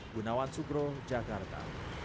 gunawan sugro jakarta